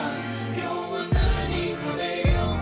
「今日は何食べようか」